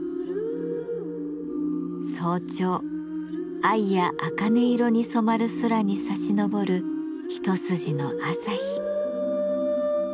早朝藍やあかね色に染まる空にさし昇る一筋の朝日。